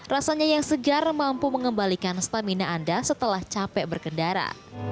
rasanya yang segar mampu mengembalikan stamina anda setelah capek berkendara